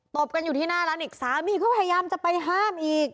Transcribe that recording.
บกันอยู่ที่หน้าร้านอีกสามีก็พยายามจะไปห้ามอีก